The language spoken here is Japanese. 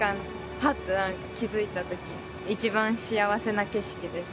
ハッと気づいたとき一番幸せな景色です